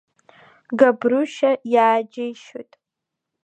Габрушьа иааџьеишьоит.